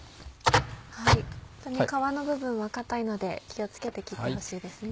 皮の部分は硬いので気を付けて切ってほしいですね。